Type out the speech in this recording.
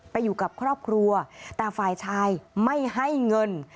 ไปอยู่กับครอบครัวแต่ฝ่ายชายไม่ให้เงิน